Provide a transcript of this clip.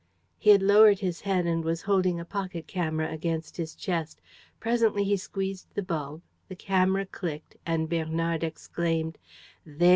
He had lowered his head and was holding a pocket camera against his chest. Presently he squeezed the bulb, the camera clicked and Bernard exclaimed: "There!